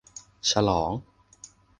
ฉลอง !